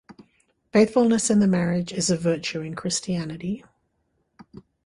Faithfulness in the marriage is a virtue in Christianity.